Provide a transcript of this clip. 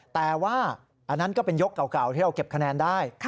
แต่ว่าอันนั้นก็เป็นยกเก่าที่เราเก็บคะแนนได้